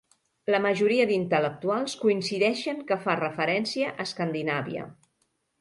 La majoria d'intel·lectuals coincideixen que fa referència a Escandinàvia.